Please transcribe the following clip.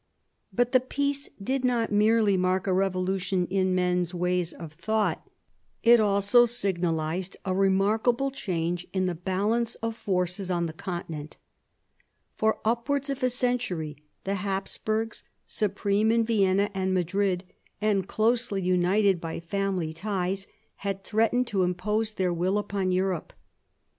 But the peace did not merely mark a revolution in men's ways of thought; it also 40 CHAP. Ill THE PEACE OF WESTPHALIA 41 signalised a remarkable change in the balance of forces on the Continent. For upwards of a century the Haps burgs, supreme in Vienna and Madrid, and closely united by family ties, had threatened to impose their will upon Europe.